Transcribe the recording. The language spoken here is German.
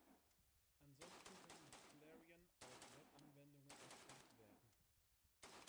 Ansonsten können mit Clarion auch Web-Anwendungen erstellt werden.